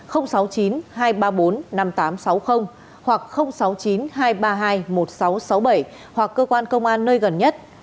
hoặc sáu mươi chín hai trăm ba mươi hai một nghìn sáu trăm sáu mươi bảy hoặc cơ quan công an nơi gần nhất